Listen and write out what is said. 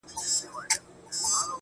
په آسد کې چا ليدلې کوم صفت دې